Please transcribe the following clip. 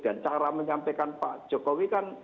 dan cara menyampaikan pak jokowi kan